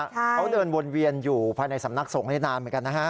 เขาเดินวนเวียนอยู่ภายในสำนักสงฆ์ได้นานเหมือนกันนะฮะ